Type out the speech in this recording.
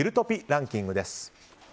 ランキングです。